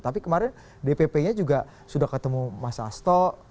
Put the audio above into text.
tapi kemarin dpp nya juga sudah ketemu mas asto